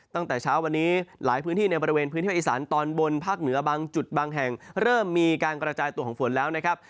ตั้งแต่เช้าวันนี้หลายพื้นที่ในบริเวณพื้นที่ภาคอีสานตอนบนภาคเหนือบางจุดบางแห่งเริ่มมีการกระจายตัวของฝนแล้วนะครับ